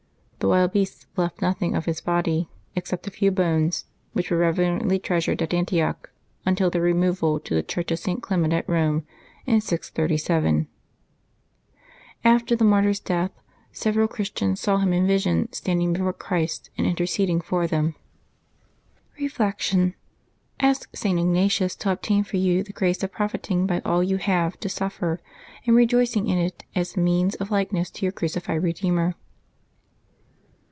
The wild bea sts left nothing of his body, except a few bones, which were reverently treasured at Antioch, until their removal to the Church of St. Clement at Eome, in 637. After the Febbuaey 2] LIVES OF THE SAINTS 59 martyr's death, several Christians saw him in vision stand ing before Christ, and interceding for them. Reflection. — Ask St. Ignatius to obtain for you the grace of profiting by all you have to suffer, and rejoicing in it as a means of likeness to your crucified Eedeemer.